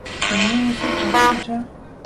तुमने उसे कब पूछा?